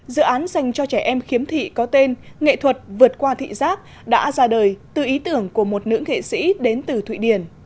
dự án dành cho trẻ em khiếm thị có tên nghệ thuật vượt qua thị giác đã ra đời từ ý tưởng của một nữ nghệ sĩ đến từ thụy điển